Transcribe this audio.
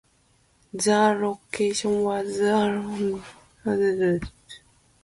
The locomotive was also refurbished in Altoona for operation during the fair.